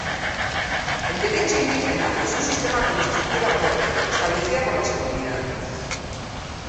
El derecho indígena es un sistema con estructura propia, establecida por las comunidades.